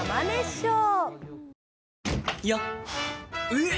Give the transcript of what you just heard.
えっ！